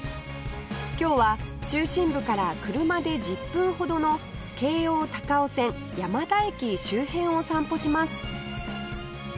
今日は中心部から車で１０分ほどの京王高尾線山田駅周辺を散歩します